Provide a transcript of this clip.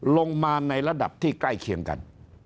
ลงมาในระดับที่ใกล้เคียงกัน